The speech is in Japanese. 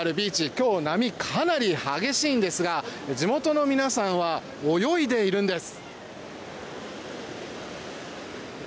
今日は波がかなり激しいんですが地元の皆さんは泳いでいるんです。